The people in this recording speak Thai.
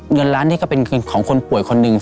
เงินล้านนี้ก็เป็นของคนป่วยคนหนึ่ง